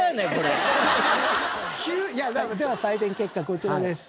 では採点結果こちらです。